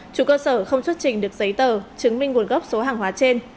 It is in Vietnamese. chủ cơ sở không xuất trình được giấy tờ chứng minh nguồn gốc số hàng hóa trên